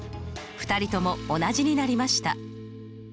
２人とも同じになりました。